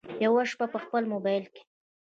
یوه شپه په خپل مبایل کې